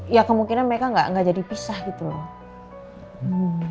ya kemungkinan mereka nggak jadi pisah gitu loh